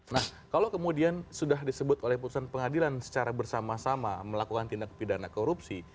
nah kalau kemudian sudah disebut oleh putusan pengadilan secara bersama sama melakukan tindak pidana korupsi